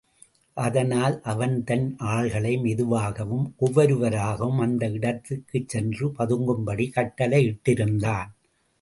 அதனால் அவன் தன் ஆள்களை மெதுவாகவும் ஒவ்வொருவராகவும் அந்த இடத்திற்குச் சென்று பதுங்கும்படி கட்டளையிட்டிருந்தான்.